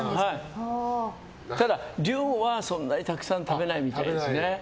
ただ、量はそんなにたくさん食べないので。